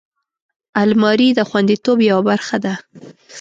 الماري د خوندیتوب یوه برخه ده